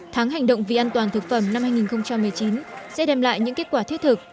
tháng hành động vì an toàn thực phẩm năm hai nghìn một mươi chín sẽ đem lại những kết quả thiết thực